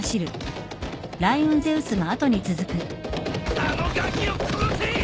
あのガキを殺せ！